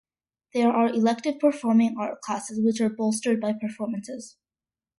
There are elective performing art classes which are bolstered by performances.